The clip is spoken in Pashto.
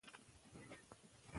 د مقاومت اراده هېڅکله نه ماتېږي.